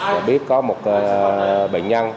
là biết có một bệnh nhân